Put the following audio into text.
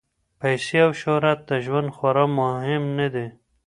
پیسې او شهرت د ژوند خورا مهم نه دي.